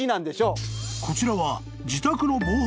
［こちらは］